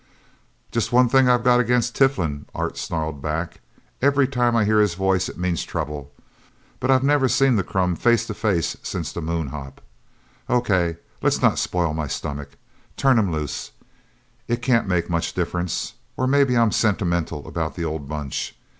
"Just one thing I've got against Tiflin!" Art snarled back. "Every time I hear his voice, it means trouble. But I've never seen the crumb face to face since that Moonhop. Okay, let's not spoil my stomach. Turn him loose. It can't make much difference. Or maybe I'm sentimental about the old Bunch.